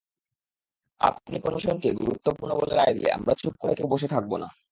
আপনি কোনো মিশনকে গুরুত্বপূর্ণ বলে রায় দিলে আমরা চুপ করে কেউ বসে থাকব না।